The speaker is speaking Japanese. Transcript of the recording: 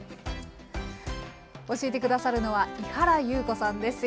教えて下さるのは井原裕子さんです。